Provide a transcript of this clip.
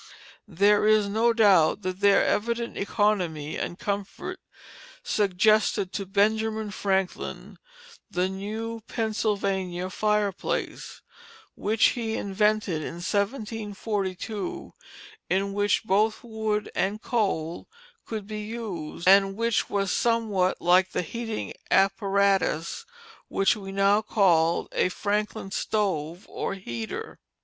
There is no doubt that their evident economy and comfort suggested to Benjamin Franklin the "New Pennsylvania Fireplace," which he invented in 1742, in which both wood and coal could be used, and which was somewhat like the heating apparatus which we now call a Franklin stove, or heater.